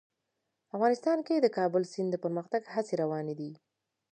افغانستان کې د د کابل سیند د پرمختګ هڅې روانې دي.